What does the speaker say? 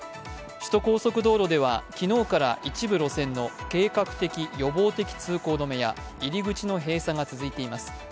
首都高速道路では昨日から一部路線の計画的・予防的通行止めや入り口の閉鎖が続いています。